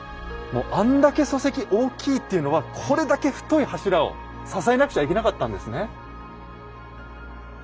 あんだけ礎石大きいっていうのはこれだけ太い柱を支えなくちゃいけなかったんですね。